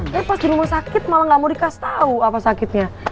tapi pas di rumah sakit malah gak mau dikasih tahu apa sakitnya